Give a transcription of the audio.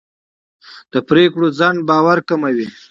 د پرېکړو ځنډ باور کموي